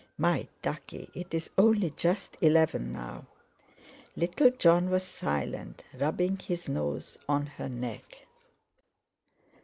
"My ducky, it's only just eleven now." Little Jon was silent, rubbing his nose on her neck.